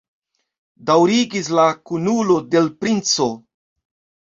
daŭrigis la kunulo de l' princo.